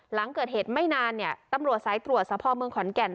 หลังเกิดเหตุไม่นานเนี่ยตำรวจสายตรวจสภาพเมืองขอนแก่น